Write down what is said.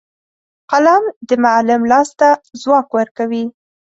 قلم د معلم لاس ته ځواک ورکوي